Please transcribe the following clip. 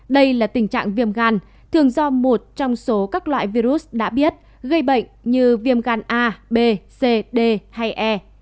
đây là tình trạng viêm gan thường do một trong số các loại virus đã biết gây bệnh như viêm gan a b cd hay e